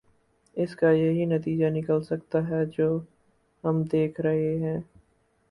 اس کا یہی نتیجہ نکل سکتا ہے جو ہم دیکھ رہے ہیں۔